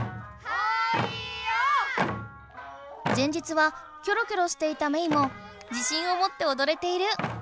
前日はキョロキョロしていたメイも自しんをもっておどれている。